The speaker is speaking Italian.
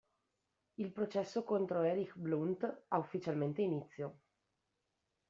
Il processo contro Erich Blunt ha ufficialmente inizio.